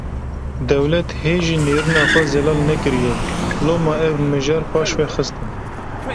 Dewlet hê jî nêrîna xwe zelal nekiriye, loma ev mijar paşve xistin